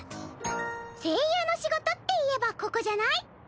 声優の仕事っていえばここじゃない？